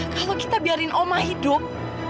kalau kita biarin oma hidup